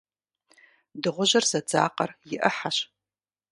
Дыгъужьыр зэдзакъэр и ӏыхьэщ.